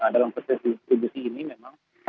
dalam proses distribusi ini memang